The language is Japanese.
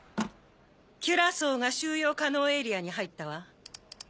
キュラソーが収容可能エリアに入ったわ。